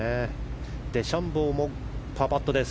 デシャンボーもパーパットです。